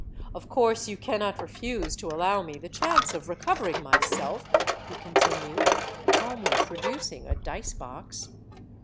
—'Of course you cannot refuse to allow me the chance of recovering myself,' he continued, calmly producing a dice box.